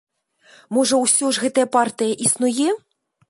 Можа, усё ж гэтая партыя існуе?